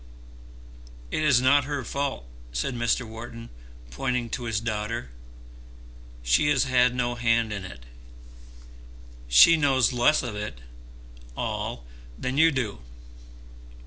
"It is not her fault," said Mr. Wharton, pointing to his daughter. "She has had no hand in it. She knows less of it all than you do."